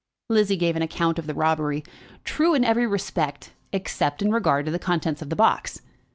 Lizzie gave an account of the robbery, true in every respect, except in regard to the contents of the box.